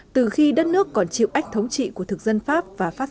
từ khi đất nước còn chịu ách thống trị của thực dân pháp